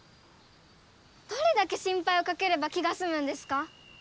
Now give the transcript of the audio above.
どれだけしんぱいをかければ気がすむんですか。